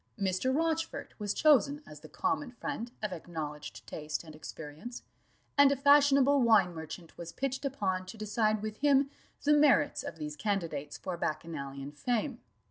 Mr. Rochfort was chosen as the common friend of acknowledged taste and experience; and a fashionable wine merchant was pitched upon to decide with him the merits of these candidates for bacchanalian fame.